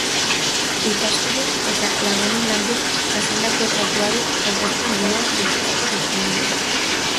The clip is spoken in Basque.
Ikaskide eta lagunengandik jasandako tratuari egozten dio bizitako sufrimendua.